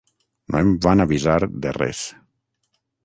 No em van avisar, de res.